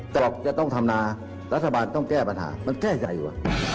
ตกจะต้องทำนารัฐบาลต้องแก้ปัญหามันแก้ใจกว่า